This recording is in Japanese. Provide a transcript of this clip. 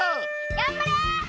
がんばれ！